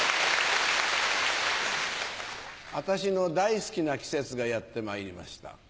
私の大好きな季節がやってまいりました。